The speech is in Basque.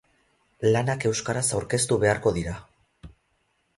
Lanak euskaraz aurkeztu beharko dira.